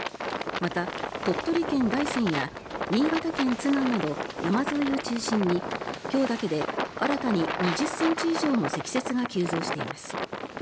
また、鳥取県大山や新潟県津南など山沿いを中心に今日だけで新たに２０ｃｍ以上も積雪が急増しています。